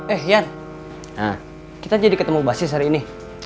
eh yan kita jadi ketemu basis hari ini